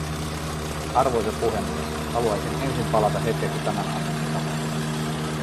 Arvoisa puhemies, haluaisin ensiksi palata hetkeksi tämänaamuisiin tapahtumiin.